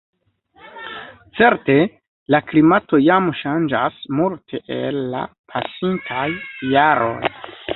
Certe, la klimato jam ŝanĝas multe el la pasintaj jaroj.